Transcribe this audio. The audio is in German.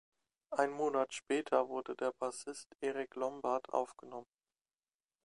Einen Monat später wurde der Bassist Eric Lombard aufgenommen.